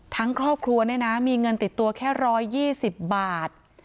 ครอบครัวเนี่ยนะมีเงินติดตัวแค่๑๒๐บาท